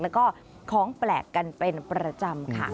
แล้วก็ของแปลกกันเป็นประจำค่ะ